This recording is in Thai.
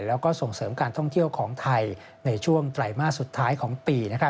แล้วก็ส่งเสริมการท่องเที่ยวของไทยในช่วงไตรมาสสุดท้ายของปี